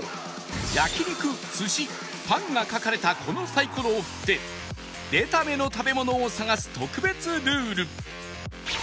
焼肉寿司パンが描かれたこのサイコロを振って出た目の食べ物を探す特別ルール